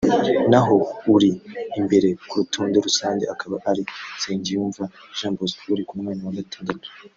naho uri imbere ku rutonde rusange akaba ari Nsengiyumva Jean Bosco uri ku mwanya wa gatandatu